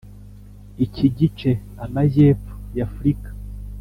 iki gice (amajyepfo y’ afurika),